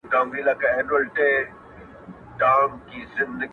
کریږه که یاره ښه په جار جار یې ولس ته وکړه،